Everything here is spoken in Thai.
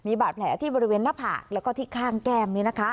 บาดแผลที่บริเวณหน้าผากแล้วก็ที่ข้างแก้ม